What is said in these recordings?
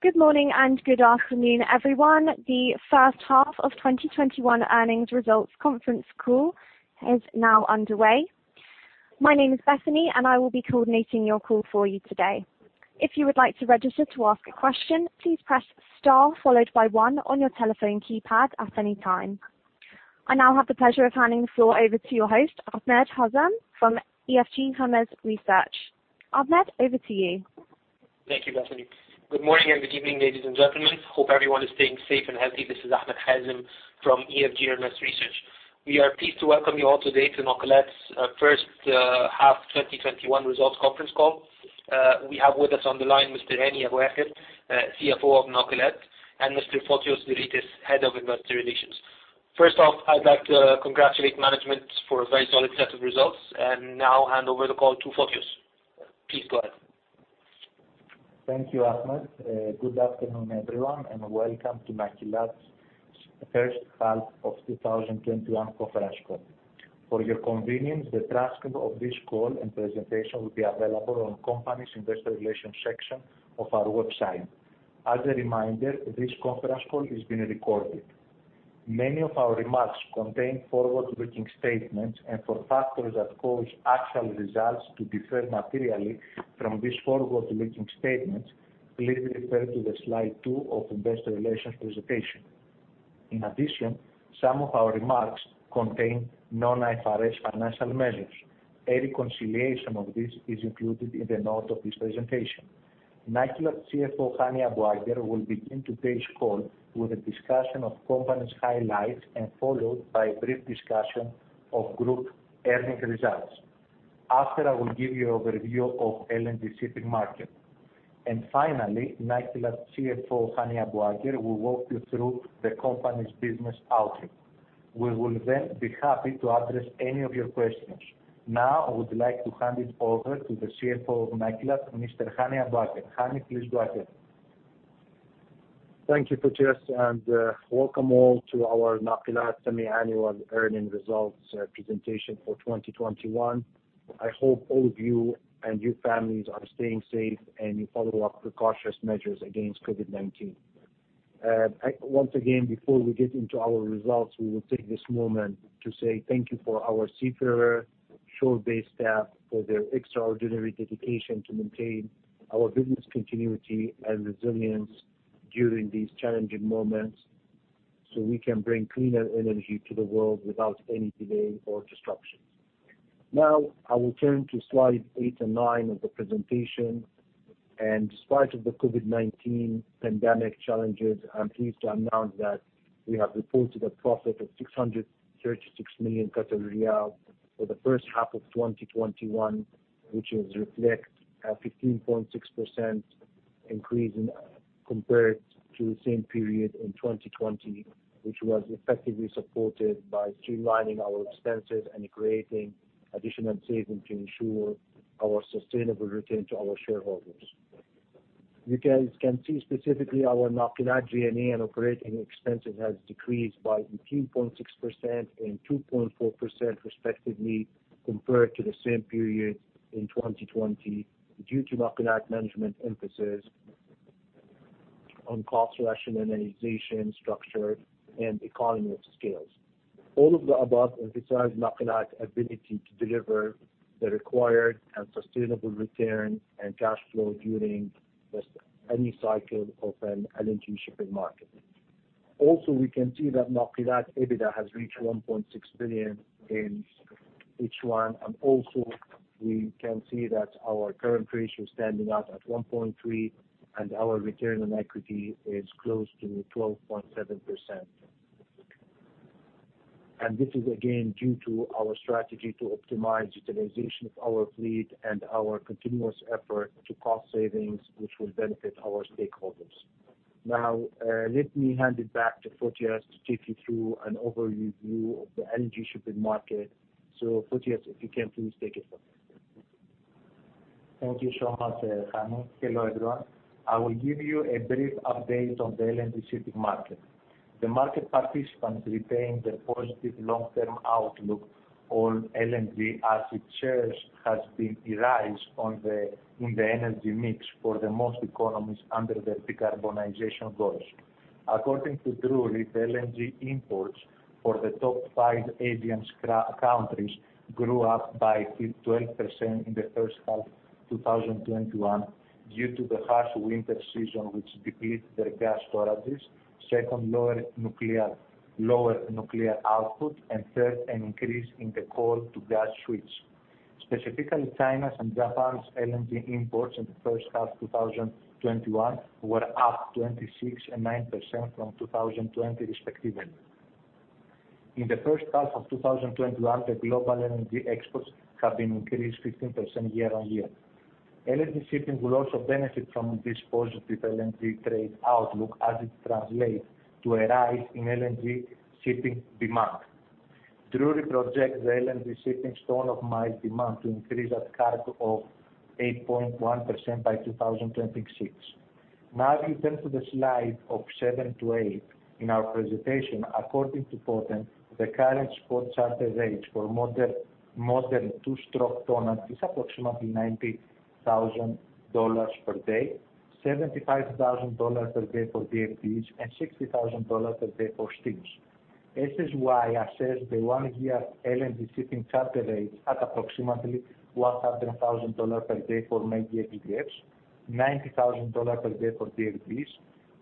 Good morning and good afternoon, everyone. The H1 of 2021 earnings results conference call is now underway. My name is Bethany, and I will be coordinating your call for you today. I now have the pleasure of handing floor over to your host, Ahmed Hazem from EFG Hermes Research. Ahmed, over to you. Thank you, Bethany. Good morning, and good evening, ladies and gentlemen. Hope everyone is staying safe and healthy. This is Ahmed Hazem from EFG Hermes Research. We are pleased to welcome you all today to Nakilat's H1 2021 results conference call. We have with us on the line, Mr. Hani Abuaker, CFO of Nakilat, and Mr. Fotios Zeritis, Head of Investor Relations. First off, I'd like to congratulate management for a very solid set of results. Now hand over the call to Fotios. Please go ahead. Thank you, Ahmed. Good afternoon, everyone, and welcome to Nakilat H1 of 2021 conference call. For your convenience, the transcript of this call and presentation will be available on company's investor relations section of our website. As a reminder, this conference call is being recorded. Many of our remarks contain forward-looking statements, and for factors that cause actual results to differ materially from these forward-looking statements, please refer to the slide two of investor relations presentation. In addition, some of our remarks contain non-IFRS financial measures. A reconciliation of this is included in the note of this presentation. Nakilat CFO, Hani Abuaker, will begin today's call with a discussion of company's highlights and followed by a brief discussion of group earning results. After, I will give you overview of LNG shipping market. Finally, Nakilat CFO, Hani Abuaker, will walk you through the company's business outlook. We will be happy to address any of your questions. I would like to hand it over to the CFO of Nakilat, Mr. Hani Abuaker. Hani, please go ahead. Thank you, Fotios, and welcome all to our Nakilat semi-annual earnings results presentation for 2021. I hope all of you and your families are staying safe, and you follow up precautions' measures against COVID-19. Once again, before we get into our results, we will take this moment to say thank you for our seafarers, shore-based staff for their extraordinary dedication to maintain our business continuity and resilience during these challenging moments so we can bring cleaner energy to the world without any delay or disruptions. Now, I will turn to slide eight and nine of the presentation. Despite of the COVID-19 pandemic challenges, I'm pleased to announce that we have reported a profit of 636 million riyal for the H1 of 2021, which is reflect a 15.6% increase compared to the same period in 2020, which was effectively supported by streamlining our expenses and creating additional saving to ensure our sustainable return to our shareholders. You can see specifically our Nakilat G&A and operating expenses has decreased by 15.6% and 2.4% respectively, compared to the same period in 2020, due to Nakilat management emphasis on cost rationalization, structure, and economy of scales. All of the above emphasize Nakilat ability to deliver the required and sustainable return and cash flow during any cycle of an LNG shipping market. We can see that Nakilat EBITDA has reached 1.6 billion in H1, and also, we can see that our current ratio standing up at 1.3 and our return on equity is close to the 12.7%. This is, again, due to our strategy to optimize utilization of our fleet and our continuous effort to cost savings, which will benefit our stakeholders. Now, let me hand it back to Fotios to take you through an overview of the LNG shipping market. Fotios, if you can please take it away. Thank you so much, Hani. Hello, everyone. I will give you a brief update on the LNG shipping market. The market participants retain the positive long-term outlook on LNG as it shares has been a rise in the energy mix for the most economies under their decarbonization goals. According to Drewry, the LNG imports for the top five Asian countries grew up by 12% in the H1 2021 due to the harsh winter season, which depleted their gas storages. Second, lower nuclear output, and third, an increase in the coal to gas switch. Specifically, China's and Japan's LNG imports in the H1 2021 were up 26% and 9% from 2020 respectively. In the H1 of 2021, the global LNG exports have been increased 15% year-on-year. LNG shipping will also benefit from this positive LNG trade outlook as it translates to a rise in LNG shipping demand. Drewry projects the LNG shipping tonnage of demand to increase at a CAGR of 8.1% by 2026. If you turn to slide seven to eight in our presentation, according to Poten, the current spot charter age for modern two-stroke ton is approximately $90,000 per day, $75,000 per day for VLGCs, and $60,000 per day for Steamers. SSY assessed the one-year LNG shipping charter rates at approximately $100,000 per day for many VLFs, $90,000 per day for TFDEs,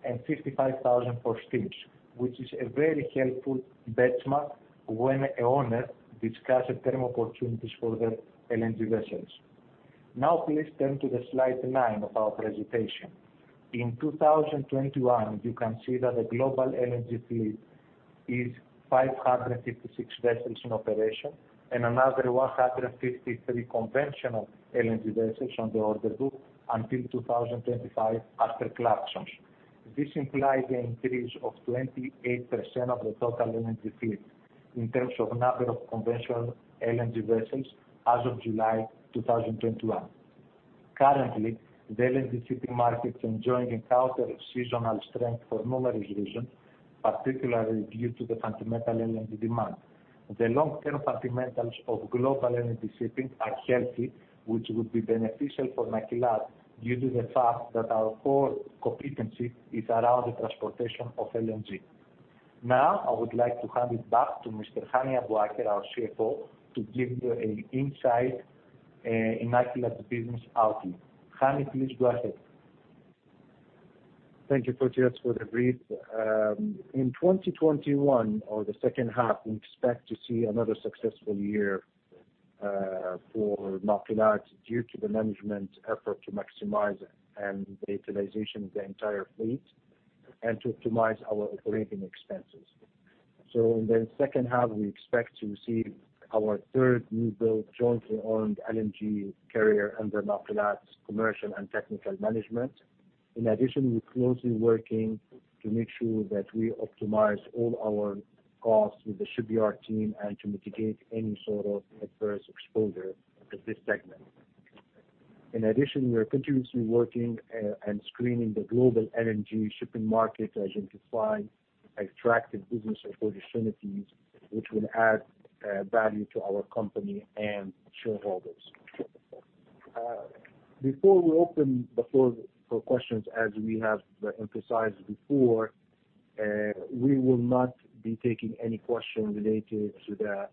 and $55,000 for Steamers, which is a very helpful benchmark when owners discuss term opportunities for their LNG vessels. Please turn to slide 9 of our presentation. In 2021, you can see that the global LNG fleet is 556 vessels in operation, and another 153 conventional LNG vessels on the order book until 2025 after collections. This implies an increase of 28% of the total LNG fleet in terms of the number of conventional LNG vessels as of July 2021. Currently, the LNG shipping market is enjoying counter-seasonal strength for numerous reasons, particularly due to the fundamental LNG demand. The long-term fundamentals of global LNG shipping are healthy, which would be beneficial for Nakilat due to the fact that our core competency is around the transportation of LNG. Now, I would like to hand it back to Mr. Hani Abuaker, our CFO, to give you an insight in Nakilat business outlook. Hani, please go ahead. Thank you, Fotios, for the brief. In 2021 or the H2, we expect to see another successful year for Nakilat due to the management effort to maximize the utilization of the entire fleet and to optimize our operating expenses. In the H2, we expect to receive our third new build jointly owned LNG carrier under Nakilat's commercial and technical management. In addition, we're closely working to make sure that we optimize all our costs with the shipyard team and to mitigate any sort of adverse exposure to this segment. In addition, we are continuously working and screening the global LNG shipping market to identify attractive business opportunities which would add value to our company and shareholders. Before we open the floor for questions, as we have emphasized before, we will not be taking any questions related to the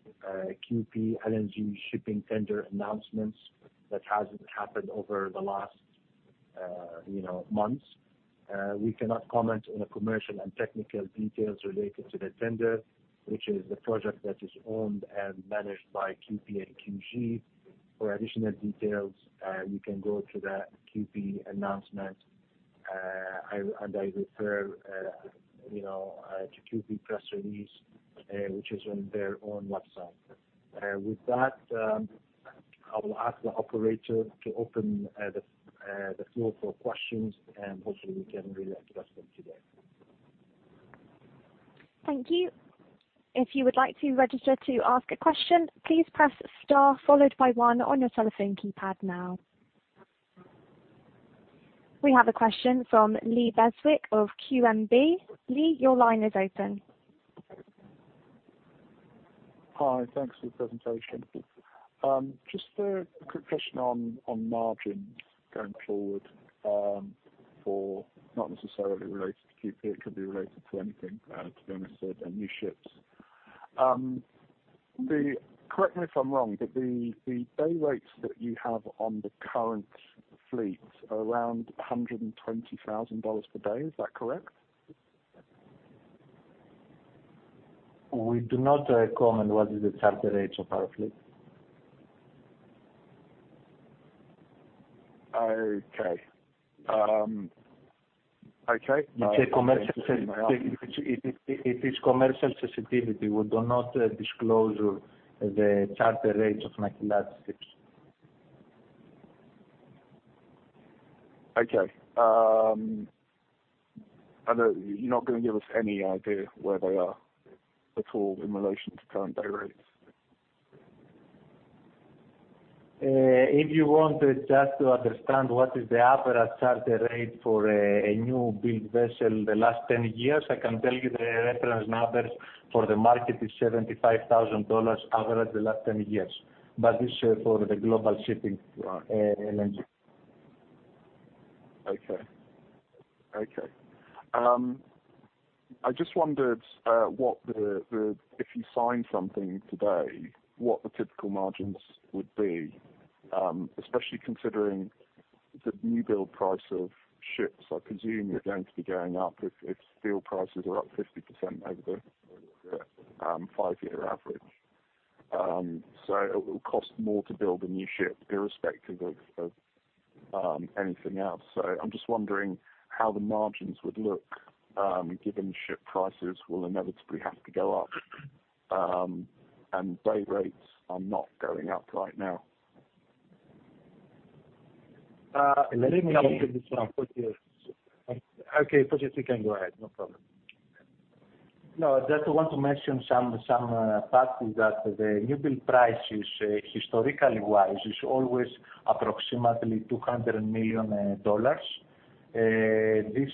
QP LNG shipping tender announcements that has happened over the last months. We cannot comment on the commercial and technical details related to the tender, which is the project that is owned and managed by QP and QG. For additional details, you can go to the QP announcement, I refer to QP press release, which is on their own website. With that, I will ask the operator to open the floor for questions, hopefully we can really address them today. Thank you. If you would like to register to ask a question, please press star followed by one on your telephone keypad now. We have a question from Lee Beswick of QNB. Lee, your line is open. Hi. Thanks for the presentation. Just a quick question on margins going forward, for not necessarily related to QP, it could be related to anything, as long as there are new ships. Correct me if I'm wrong, the day rates that you have on the current fleet are around $120,000 per day. Is that correct? We do not comment on what is the charter rates of our fleet. Okay. It is commercial sensitivity. We do not disclose the charter rates of Nakilat ships. Okay. You're not going to give us any idea where they are at all in relation to current day rates? If you want just to understand what is the average charter rate for a new build vessel the last 10 years, I can tell you the reference number for the market is $75,000 average the last 10 years. This is for the global shipping LNG. I just wondered if you sign something today, what the typical margins would be, especially considering the new build price of ships, I presume they're going to be going up if steel prices are up 50% over the five-year average. It will cost more to build a new ship irrespective of anything else. I'm just wondering how the margins would look, given ship prices will inevitably have to go up, and day rates are not going up right now. Let me complete- Okay, Fotios, you can go ahead. No problem. No, I just want to mention some parts that the new build prices historically wise is always approximately $200 million. This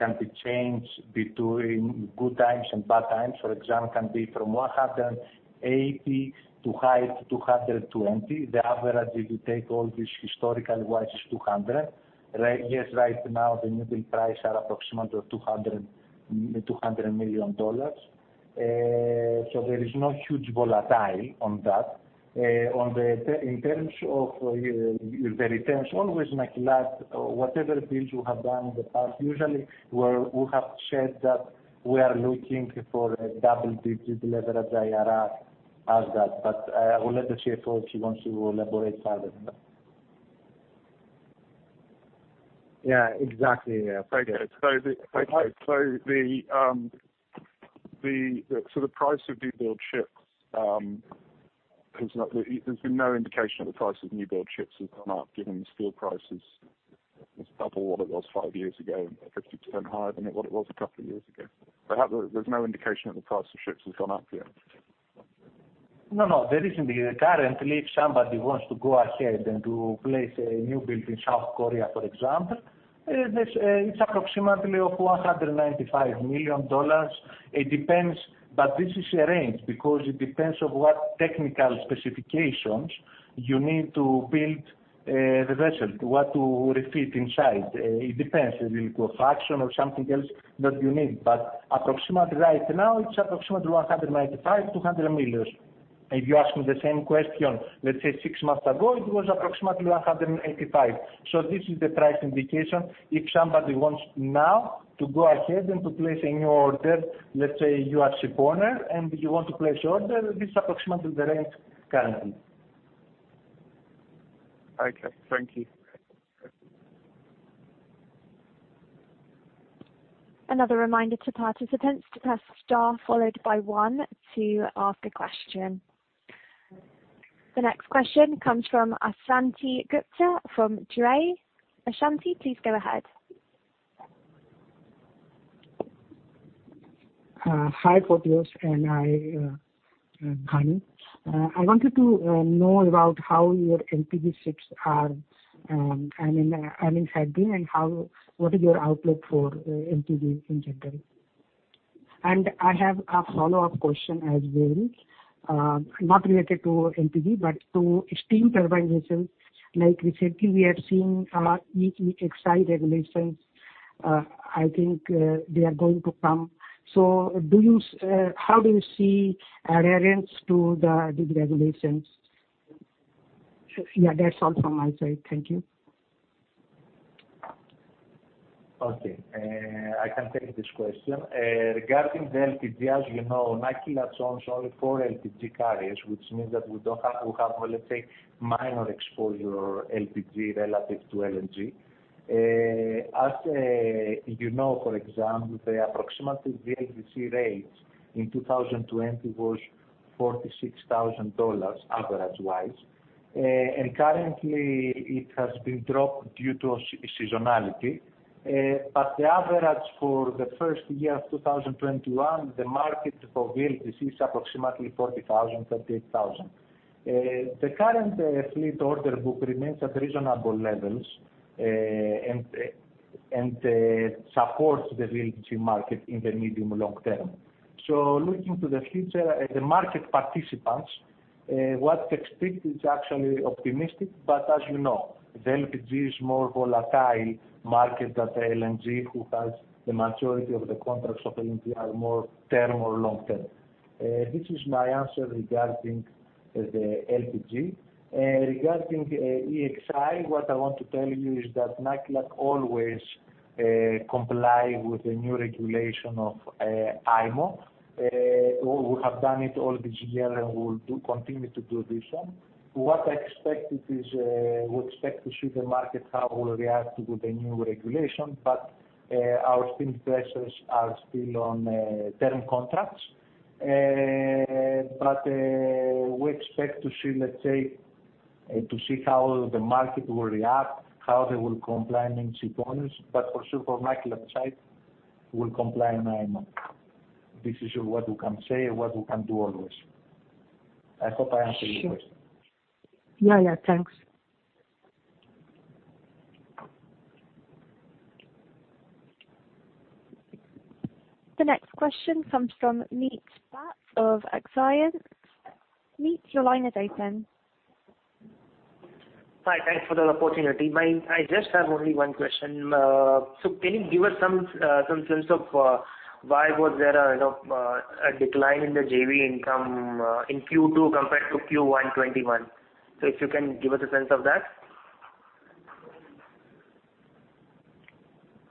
can change between good times and bad times. For example, can be from $180 to high $220. The average, if you take all this historical wise is $200. Right now, the new build price are approximately $200 million. There is no huge volatility on that. In terms of the returns, always my class, whatever deals we have done in the past, usually we have said that we are looking for a double-digit leverage IRR as that. I will let the CFO, if he wants to elaborate further. Yeah, exactly. The price of newbuild ships has been up. There's been no indication that the price of newbuild ships has gone up given steel prices is double what it was five years ago and 50% higher than what it was a couple of years ago. There's no indication that the price of ships has gone up yet. No, there isn't. Currently, if somebody wants to go ahead and place a new build in South Korea, for example, it's approximately $195 million. This is a range because it depends on what technical specifications you need to build the vessel, what to refit inside. It depends, a little fraction or something else that you need. Approximately right now, it's approximately $195-$200 million. If you asked me the same question, let's say six months ago, it was approximately $185 million. This is the price indication. If somebody wants now to go ahead and place a new order, let's say you are a shipowner and you want to place order, this is approximately the rate currently. Okay, thank you. Another reminder to participants to press star followed by one to ask a question. The next question comes from Ashwani Gupta from Drewry. Ashwani, please go ahead. Hi, Fotios and Hani. I wanted to know about how your LPG ships are, and in heading and what is your outlook for LPG in general. I have a follow-up question as well, not related to LPG, but to steam turbine vessels. Like recently we are seeing a lot, each week, CII regulations. I think they are going to come. How do you see adherence to the regulations? Yeah, that's all from my side. Thank you. Okay, I can take this question. Regarding the LPG, as you know, Nakilat has only four LPG carriers, which means that we have, let's say, minor exposure LPG relative to LNG. As you know, for example, the approximately VLGC rates in 2020 was $46,000 average-wise. Currently, it has been dropped due to seasonality. The average for the first year of 2021, the market for VLGC is approximately $40,000, $38,000. The current fleet order book remains at reasonable levels and supports the LPG market in the medium long term. Looking to the future, the market participants, what they expect is actually optimistic. As you know, the LPG is a more volatile market than the LNG, who has the majority of the contracts of LNG are more term or long term. This is my answer regarding the LPG. Regarding EEXI, what I want to tell you is that Nakilat always complies with the new regulation of IMO. We have done it all these years and we will continue to do this one. What I expect is we expect to see the market, how we react with the new regulation, our Steamers are still on term contracts. We expect to see how the market will react, how they will comply in shipowners. Also from Nakilat's side, we will comply with IMO. This is what we can say and what we can do always. I hope I answered your question. Sure. Yeah. Thanks. The next question comes from Neat Path of Axiom. Neat, your line is open. Hi, thanks for the opportunity. I just have only one question. Can you give us some sense of why was there a decline in the JV income in Q2 compared to Q1 2021? If you can give us a sense of that.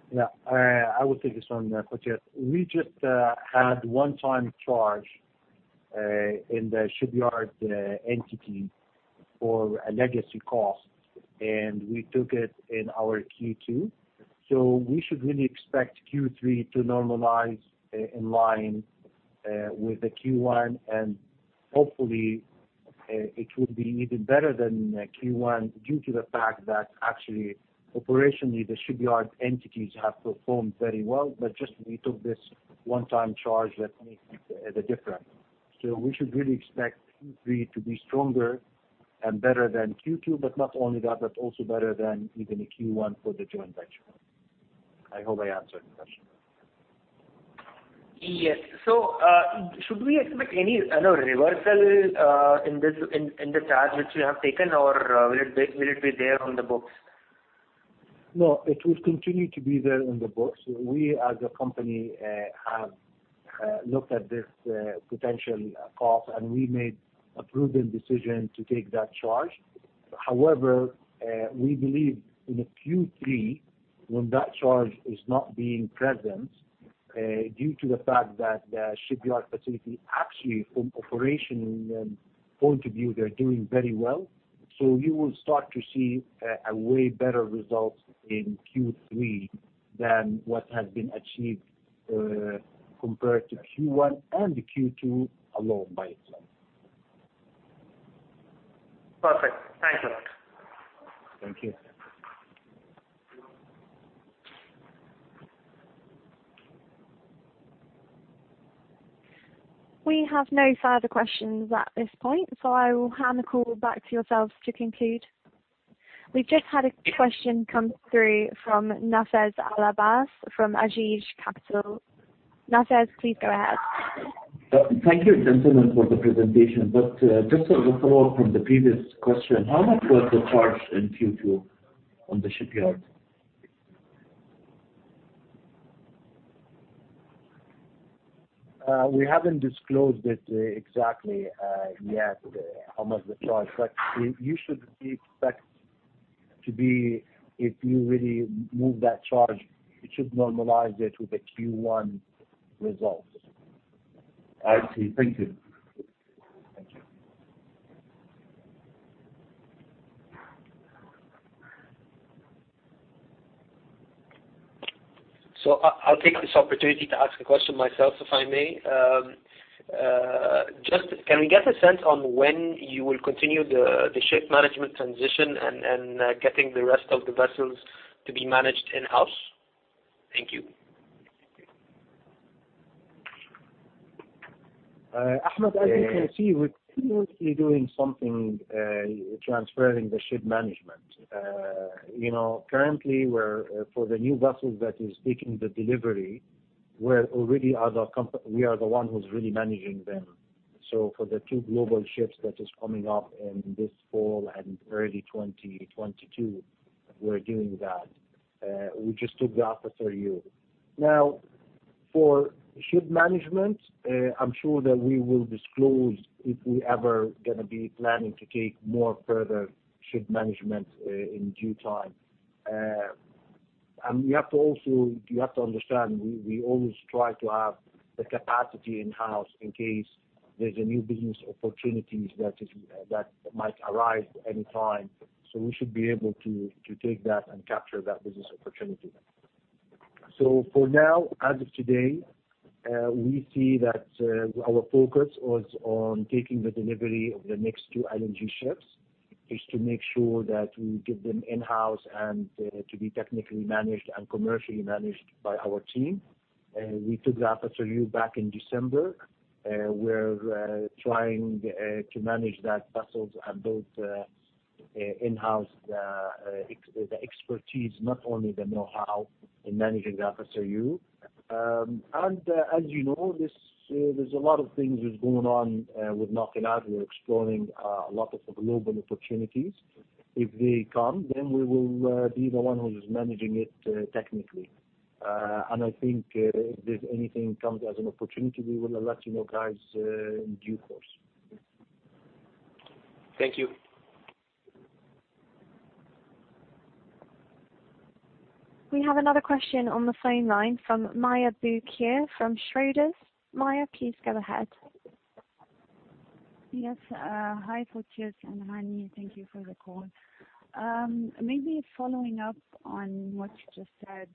Yeah, I would take this one, Fotios. We just had a one-time charge in the shipyard entity for a legacy cost, and we took it in our Q2. We should really expect Q3 to normalize in line with the Q1 and hopefully, it will be even better than Q1 due to the fact that actually, operationally, the shipyard entities have performed very well. Just we took this one-time charge that makes the difference. We should really expect Q3 to be stronger and better than Q2, but not only that, but also better than even the Q1 for the joint venture. I hope I answered your question. Yes. Should we expect any reversal in the charge which you have taken, or will it be there on the books? No, it will continue to be there on the books. We as a company have looked at this potential cost and we made a prudent decision to take that charge. However, we believe in Q3, when that charge is not being present, due to the fact that the shipyard facility actually from an operational point of view, they're doing very well. You will start to see a way better result in Q3 than what has been achieved, compared to Q1 and Q2 alone by itself. Perfect. Thank you. Thank you. We have no further questions at this point, so I will hand the call back to yourselves to conclude. We've just had a question come through from Nafez Al Abbas from Ajeej Capital. Nafez, please go ahead. Thank you gentlemen for the presentation. Just as a follow-up from the previous question, how much was the charge in Q2 on the shipyard? We haven't disclosed it exactly yet, how much the charge, but you should expect to be, if you really move that charge, you should normalize it with the Q1 results. I see. Thank you. Thank you. I'll take this opportunity to ask a question myself, if I may. Can we get a sense on when you will continue the ship management transition and getting the rest of the vessels to be managed in-house? Thank you. Ahmed, as you can see, we're continuously doing something, transferring the ship management. Currently, for the new vessels that is taking the delivery, we are the one who's really managing them. For the two global ships that is coming up in this fall and early 2022, we're doing that. We just took the Al Karaana. Now, for ship management, I'm sure that we will disclose if we're ever going to be planning to take more further ship management in due time. You have to understand, we always try to have the capacity in-house in case there's a new business opportunity that might arise any time. We should be able to take that and capture that business opportunity. For now, as of today, we see that our focus was on taking the delivery of the next two LNG ships, is to make sure that we get them in-house and to be technically managed and commercially managed by our team. We took Al Karaana back in December. We're trying to manage that vessel and build in-house the expertise, not only the know-how in managing the Al Karaana. As you know, there's a lot of things going on with Nakilat. We're exploring a lot of global opportunities. If they come, then we will be the one who's managing it technically. I think if there's anything comes as an opportunity, we will let you know guys in due course. Thank you. We have another question on the phone line from Maya Kheir from Schroders. Maya, please go ahead. Yes. Hi, Fotios and Hani, thank you for the call. Maybe following up on what you just said,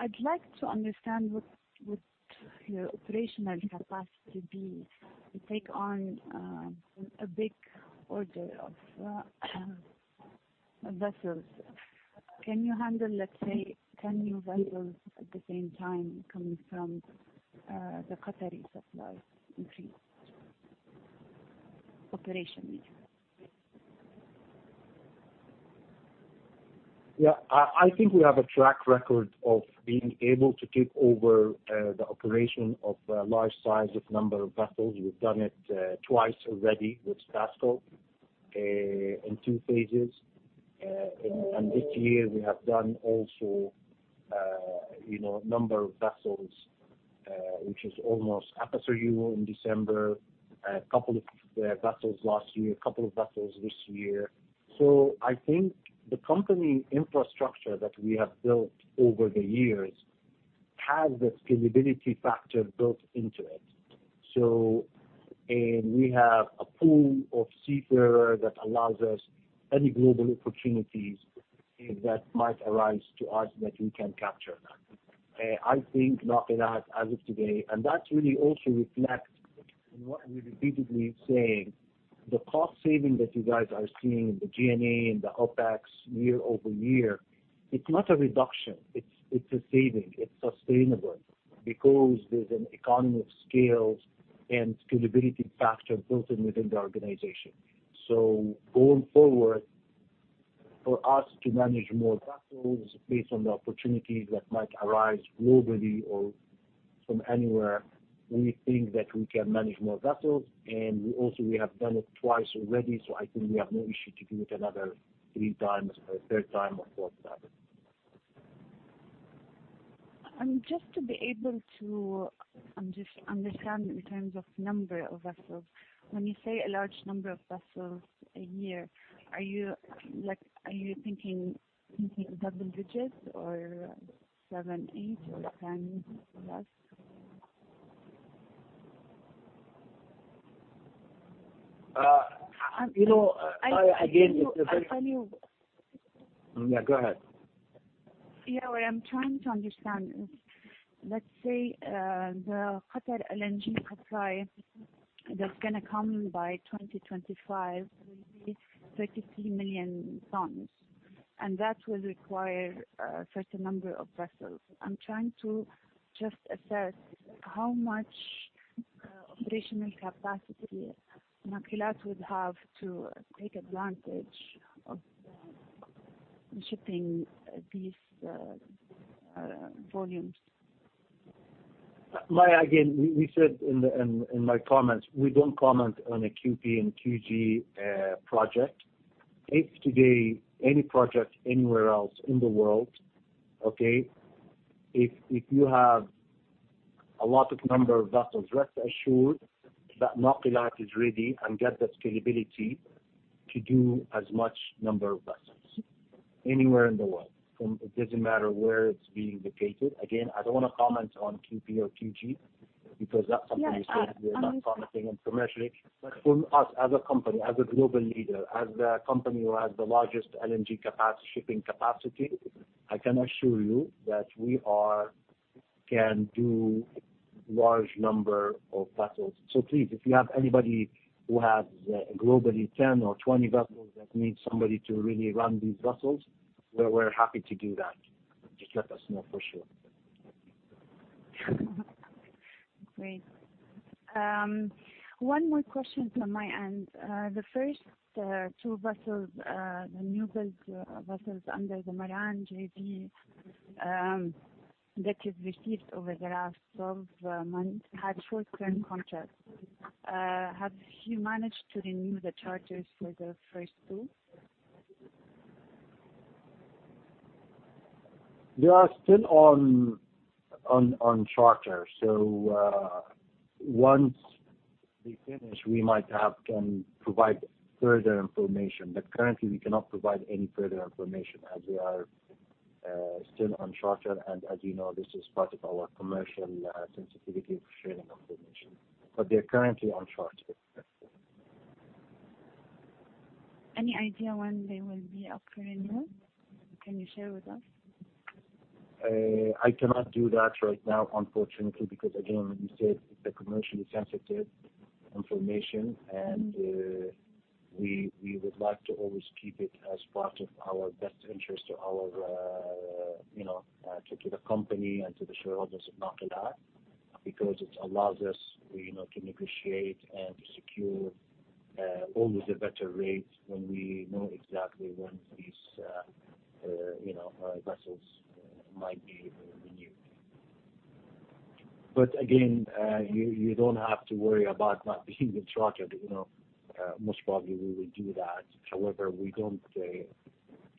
I'd like to understand what your operational capacity is to take on a big order of vessels. Can you handle, let's say, 10 new vessels at the same time coming from the Qatari supply increase, operationally? Yeah. I think we have a track record of being able to take over the operation of a large size of number of vessels. We've done it twice already with STASCo, in two phases. This year we have done also a number of vessels, which is almost Al Karaana in December, two vessels last year, two vessels this year. I think the company infrastructure that we have built over the years has the scalability factor built into it. We have a pool of seafarers that allows us any global opportunities that might arise to us that we can capture that. I think Nakilat as of today, and that really also reflects in what we're repeatedly saying, the cost saving that you guys are seeing in the G&A and the OpEx year-over-year, it's not a reduction, it's a saving. It's sustainable because there's an economy of scale and scalability factor built in within the organization. Going forward, for us to manage more vessels based on the opportunities that might arise globally or from anywhere, we think that we can manage more vessels, and also we have done it twice already. I think we have no issue to do it another three times or a third time or fourth time. Just to be able to understand in terms of number of vessels, when you say a large number of vessels a year, are you thinking double digits or seven, eight or 10 plus? Again, it depends. Are you- No, go ahead. What I'm trying to understand is, let's say, the Qatar LNG capacity that's going to come in by 2025 will be 33 million tons, and that will require a certain number of vessels. I'm trying to just assess how much additional capacity Nakilat will have to take advantage of shipping these volumes. Maya, again, we said in my comments, we don't comment on a QP and QG project. If today any project anywhere else in the world, okay, if you have a lot of number of vessels, rest assured that Nakilat is ready and got the scalability to do as much number of vessels anywhere in the world. It doesn't matter where it's being located. Again, I don't want to comment on QP or QG because that's something sensitive, that's something commercially. For us as a company, as a global leader, as the company who has the largest LNG shipping capacity, I can assure you that we can do large number of vessels. Please, if you have anybody who has globally 10 or 20 vessels that need somebody to really run these vessels, we're happy to do that. Just let us know for sure. Great. One more question from my end. The first two vessels, the newbuild vessels under the Maran JV, that was received over the last 12 months had short-term contracts. Have you managed to renew the charters for the first two? They are still on charter. Once they finish, we might have to provide further information, but currently, we cannot provide any further information as they are still on charter. As you know, this is part of our commercial sensitivity for sharing information, but they're currently on charter. Any idea when they will be up for renewal? Can you share with us? I cannot do that right now, unfortunately, because again, like we said, they're commercially sensitive information, and we would like to always keep it as part of our best interest to the company and to the shareholders of Nakilat, because it allows us to negotiate and secure always a better rate when we know exactly when these vessels might be renewed. Again, you don't have to worry about not being chartered. Most probably, we will do that. We don't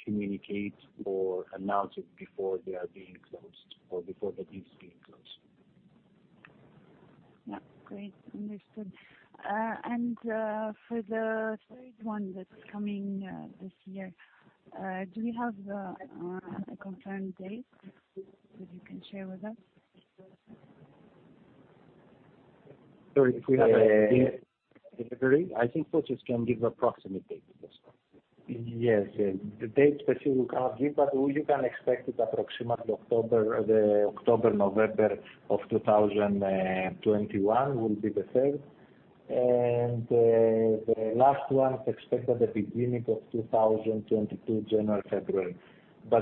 communicate or announce it before they are being closed or before the deals being closed. Yeah, great. Understood. For the third one that's coming this year, do you have a confirmed date that you can share with us? Sorry, Qatar? February. I think Fotios can give approximate date this time. Yes. The date specific we can't give, all you can expect is approximately October, November of 2021 will be the third. The last one is expected at the beginning of 2022, January, February.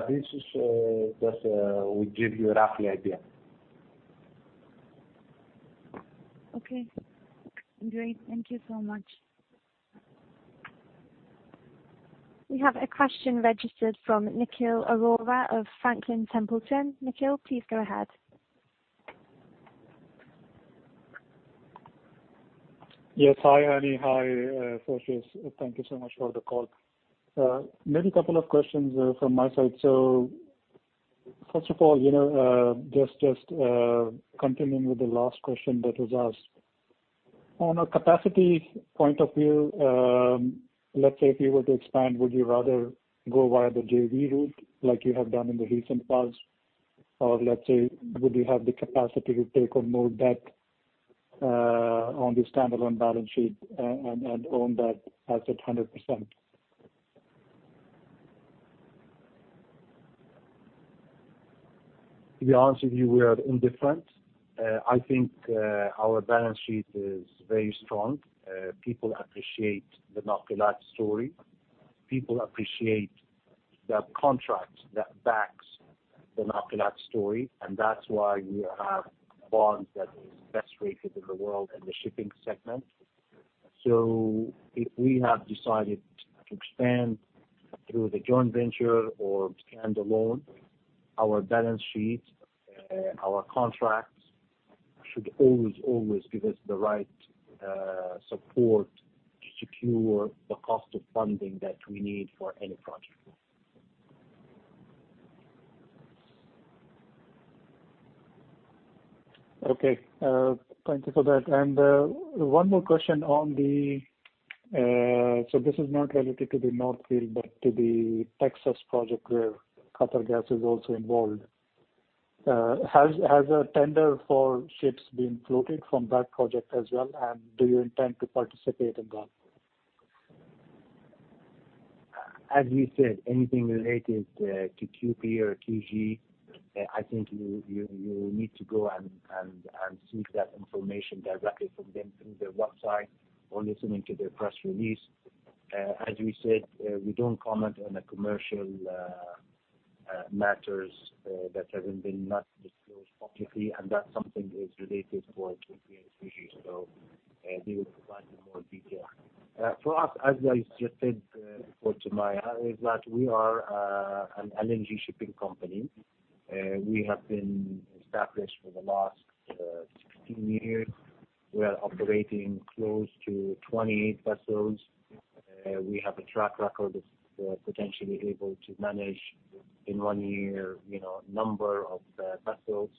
This just will give you a rough idea. Okay, great. Thank you so much. We have a question registered from Nikhil Arora of Franklin Templeton. Nikhil, please go ahead. Yes. Hi, Hani. Hi, Fotios. Thank you so much for the call. Maybe a couple of questions from my side. First of all, just continuing with the last question that was asked. On a capacity point of view, let's say if you were to expand, would you rather go via the JV route like you have done in the recent past, or let's say, would you have the capacity to take on more debt on the standalone balance sheet and own that asset 100%? To be honest with you, we are indifferent. I think our balance sheet is very strong. People appreciate the Nakilat story. People appreciate that contract that backs the Nakilat story. That's why we have bonds that are best rated in the world in the shipping segment. If we have decided to expand through the joint venture or standalone, our balance sheet, our contracts should always give us the right support to secure the cost of funding that we need for any project. Okay. Thank you for that. This is not related to the North Field, but to the Texas project where Qatargas is also involved. Has a tender for ships been floated from that project as well and do you intend to participate in that? As we said, anything related to QP or QG, I think you will need to go and seek that information directly from them through their website or listening to their press release. As we said, we don't comment on the commercial matters that have not been disclosed publicly, and that's something that is related for QP and QG, so they will provide you more detail. For us, as I just said, for GemiMa, is that we are an energy shipping company. We have been established for the last 16 years. We are operating close to 28 vessels. We have a track record of potentially able to manage in one year, a number of vessels.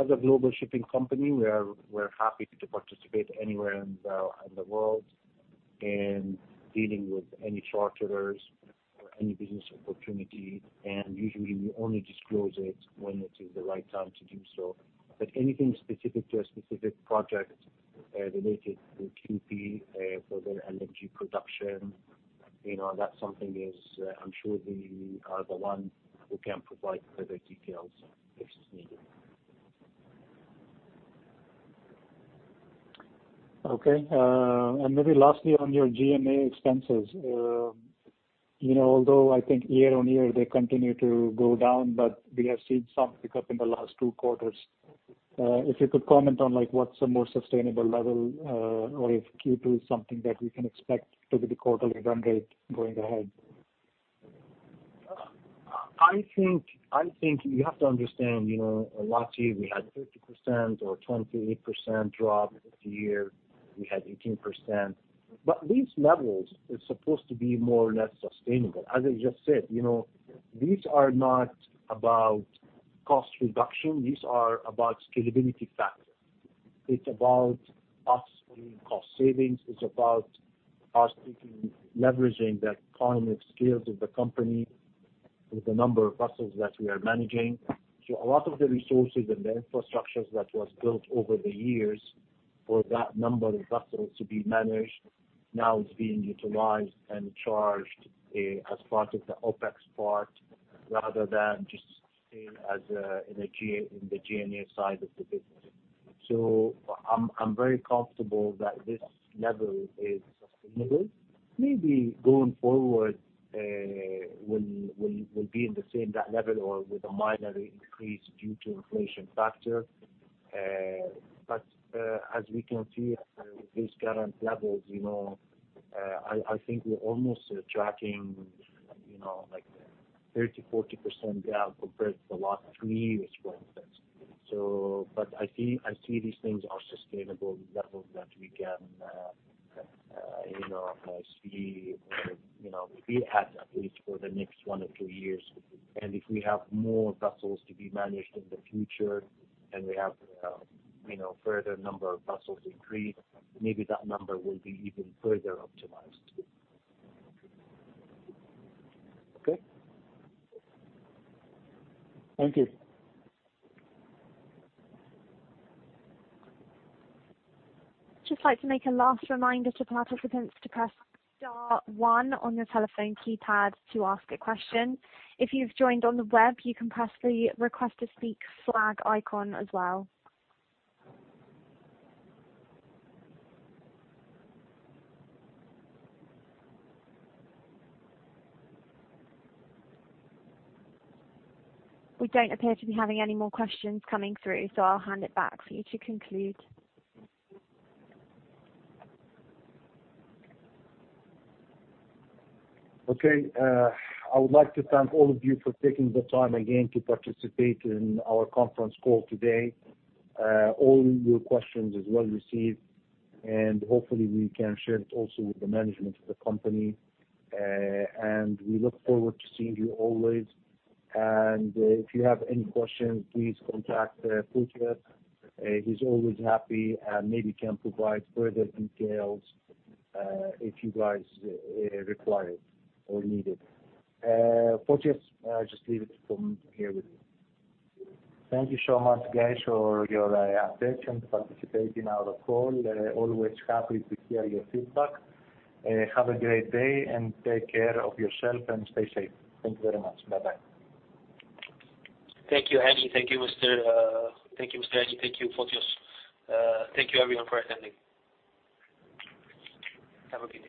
As a global shipping company, we're happy to participate anywhere in the world in dealing with any charterers or any business opportunity, and usually we only disclose it when it is the right time to do so. Anything specific to a specific project related to QP, for their energy production, I'm sure they are the ones who can provide further details if needed. Okay. Maybe lastly, on your G&A expenses. Although I think year-on-year they continue to go down, but we have seen some pickup in the last two quarters. If you could comment on what's a more sustainable level, or if Q2 is something that we can expect to be the quarterly run rate going ahead. I think you have to understand, last year we had 50% or 28% drop. The year we had 18%. These levels are supposed to be more or less sustainable. As I just said, these are not about cost reduction, these are about scalability factor. It's about us doing cost savings. It's about us taking, leveraging that economy of scale of the company with the number of vessels that we are managing. A lot of the resources and the infrastructure that was built over the years for that number of vessels to be managed now is being utilized and charged as part of the OpEx part, rather than just staying in the G&A side of the business. I'm very comfortable that this level is sustainable. Maybe going forward, we'll be in the same level or with a minor increase due to inflation factor. As we can see at these current levels, I think we're almost tracking 30%-40% down compared to what we were. I see these things are sustainable, the levels that we can see or be at least for the next one or two years. If we have more vessels to be managed in the future and we have further number of vessels increase, maybe that number will be even further optimized. Okay. Thank you. Just like to make a last reminder to participants to press star one on your telephone keypad to ask a question. If you've joined on the web, you can press the Request to speak flag icon as well. We don't appear to be having any more questions coming through, so I'll hand it back for you to conclude. Okay. I would like to thank all of you for taking the time again to participate in our conference call today. All your questions is well received, hopefully we can share it also with the management of the company, and we look forward to seeing you always. If you have any questions, please contact Fotios. He's always happy and maybe can provide further details, if you guys require it or need it. Fotios, I'll just leave it from here with you. Thank you so much, guys, for your attention to participate in our call. Always happy to hear your feedback. Have a great day and take care of yourself and stay safe. Thank you very much. Bye-bye. Thank you, Mr. Hani. Thank you, Fotios. Thank you everyone for attending. Have a good day.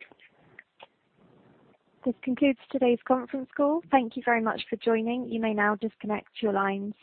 This concludes today's conference call. Thank you very much for joining. You may now disconnect your lines.